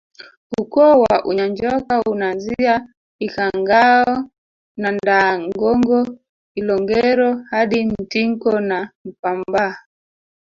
Ukoo wa Unyanjoka unaanzia Ikhangao na Ndaangongo Ilongero hadi Mtinko na Mpambaa